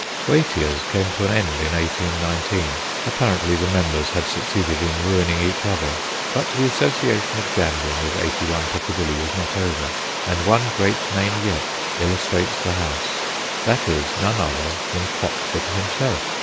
Watier's came to an end in 1819 ; apparently the members had succeeded in ruining each other. But the association of gambling with 81 Piccadilly was not over, and one great name yet illustrates the house. That is none other than Crockford himself.